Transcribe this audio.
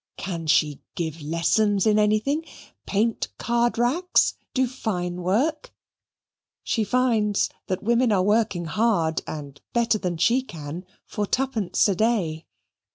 Can she give lessons in anything? paint card racks? do fine work? She finds that women are working hard, and better than she can, for twopence a day.